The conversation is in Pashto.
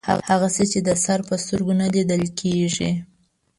هغه څه چې د سر په سترګو نه لیدل کیږي